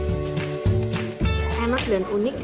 enak dan unik